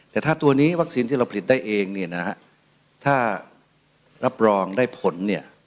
แต่ถ้าตัวนี้วัคซีนที่เราผลิตได้เองเนี่ยนะฮะถ้ารับรองได้ผลเนี่ย